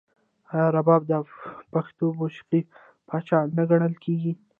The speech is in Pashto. آیا رباب د پښتو موسیقۍ پاچا نه ګڼل کیږي؟